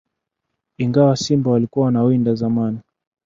Ingawa simba walikuwa wanawindwa zamani